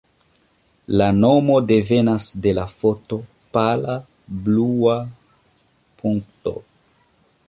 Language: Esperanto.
La nomo devenas de la foto Pala Blua Punkto.